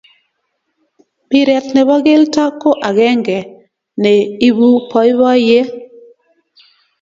Mpiret ne bo kelto ko akenge ne ibuuu boiboyee.